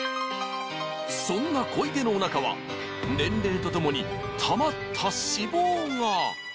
そんな小出のお腹は年齢とともにたまった脂肪が！